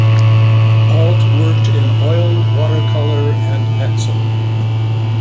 Ault worked in oil, watercolor and pencil.